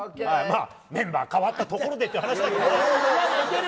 メンバー代わったところでって話だけどね。